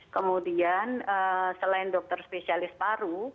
kemudian selain dokter spesialis paru